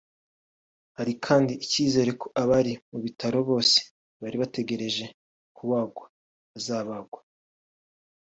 Hari kandi icyizere ko abari mu bitaro bose bari bategereje kubagwa bazabagwa